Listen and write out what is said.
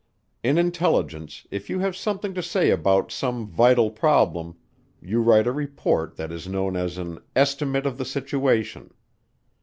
In intelligence, if you have something to say about some vital problem you write a report that is known as an "Estimate of the Situation."